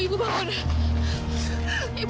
ibu ngapain sih ibu